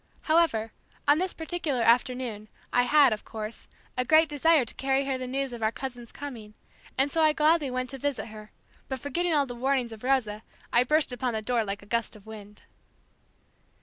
However, on this particular afternoon, I had, of course, a great desire to carry her the news of our cousin's coming, and so I gladly went to visit her; but forgetting all the warnings of Rosa I burst open the door like a gust of wind.